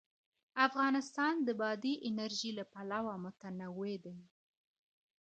افغانستان د بادي انرژي له پلوه متنوع دی.